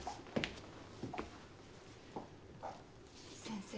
先生。